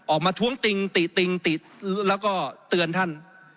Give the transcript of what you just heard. ออกมาทว้างติ่งตรร์เราเราก็เตือนท่าน